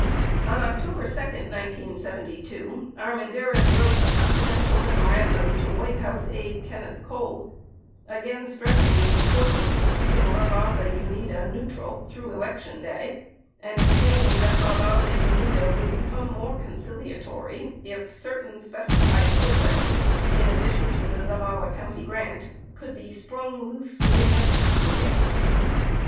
On November 2, 1972, Armendariz wrote a confidential memoran dum to White House aide Kenneth Cole, again stressing the impor tance of keeping La Raza Unida neutral through election day and explaining that La Raza Unida would become "more conciliatory" if certain specified programs — in addition to the Zavala County grant— "could be sprung loose within the next few days."